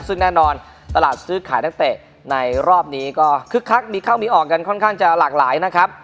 ซึ่งแน่นอนตลาดซื้อขายนักเตะในรอบนี้ก็คึกคักมีข้าวมีออกกันค่อนข้างจะหลากหลายนะครับ